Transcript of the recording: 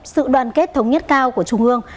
sự đoàn kết thống nhất cao của trung ương